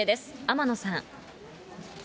天野さん。